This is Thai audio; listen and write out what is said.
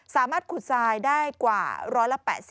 สามารถขุดทรายได้กว่าร้อยละ๘๐